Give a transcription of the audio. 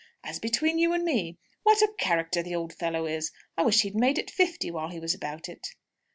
'As between you and me!' What a character the old fellow is! I wish he'd made it fifty while he was about it!"